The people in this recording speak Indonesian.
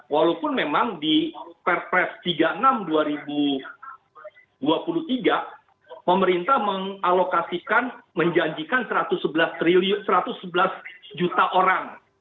walaupun memang di perpres tiga puluh enam dua ribu dua puluh tiga pemerintah mengalokasikan menjanjikan satu ratus sebelas juta orang